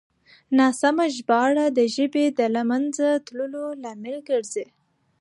ناسمه ژباړه د ژبې د له منځه تللو لامل ګرځي.